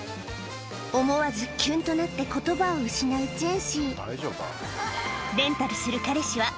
思わずキュンとなって言葉を失うチェンシー